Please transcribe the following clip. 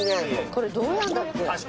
これどうやんだっけ？